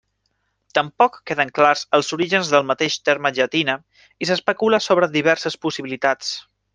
Tampoc queden clars els orígens del mateix terme llatina i s'especula sobre diverses possibilitats.